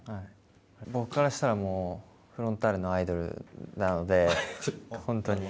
僕からしたら、フロンターレのアイドルなので本当に。